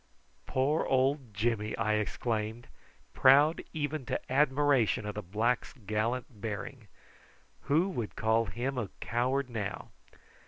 "Poor old Jimmy!" I exclaimed, proud even to admiration of the black's gallant bearing. "Who would call him a coward now!"